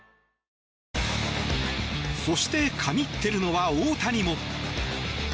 そして、神ってるのは大谷も。